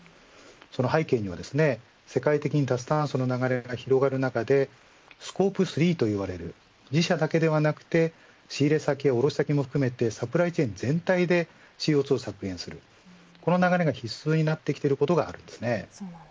その背景には世界的に脱炭素の流れが広がる中でＳｃｏｐｅ３と言われる自社だけではなくて仕入れ先や卸先も含めてサプライチェーン全体でＣＯ２を削減するこの流れが必須にそうなんですね。